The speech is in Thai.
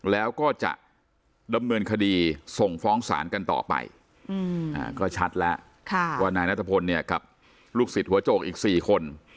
แล้วก็จะดำเนินคดีส่งฟ้องศาลกันต่อไปก็ชัดแล้วว่านายนัทพลเนี่ยกับลูกศิษย์หัวโจกอีก๔คน